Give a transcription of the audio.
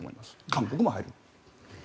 韓国も入る。